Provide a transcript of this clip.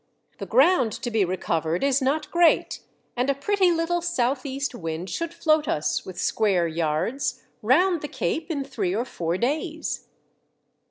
"The ground to be recovered is not great, and a pretty little south east wind should float us, with square yards, round the Cape in three or four days."